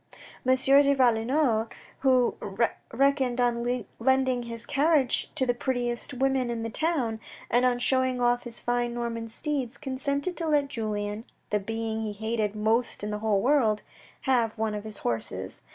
M. de Valenod, who reckoned on lending his carriage to the prettiest women in the town, and on showing off his fine Norman steeds, consented to let Julien (the being he hated most in the whole world) have one of his horses.